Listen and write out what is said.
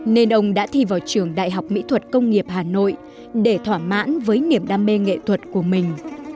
nên ông đã thi vào trường đại học mỹ thuật công nghiệp hà nội để thỏa mãn với niềm đam mê nghệ thuật của mình